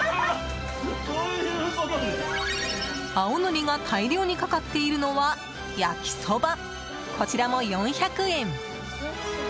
青のりが大量にかかっているのは焼きそば、こちらも４００円。